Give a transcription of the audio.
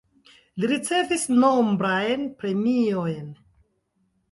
Li ricevis nombrajn premiojn.